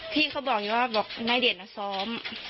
พี่เขาบอกอย่างนี้ว่าบอกนายเดชน่ะซ้อม